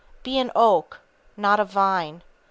Be an oak, not a vine.